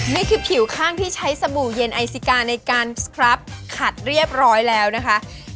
นี่คือผิวข้างที่ใช้สบู่เย็นไอซิกาในการสครับขัดเรียบร้อยแล้วนะคะ